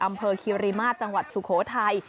อำเภอเคียรีมาสจังหวัดสุโขทัย